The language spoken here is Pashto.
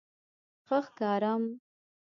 _ښه ښکارم؟